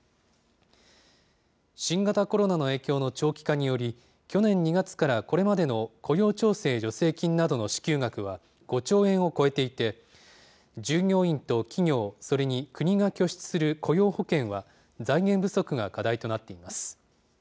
新型コロナの影響の長期化により、去年２月からこれまでの雇用調整助成金などの支給額は、５兆円を超えていて、従業員と企業、それに国が拠出する雇用保険は、財源不足が課題となっています。